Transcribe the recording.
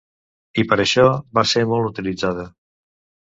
I per això, va ser molt utilitzada.